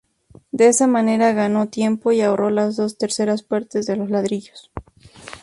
De esa manera ganó tiempo y ahorró las dos terceras partes de los ladrillos.